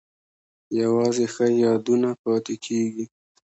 یوازې ښه یادونه پاتې کیږي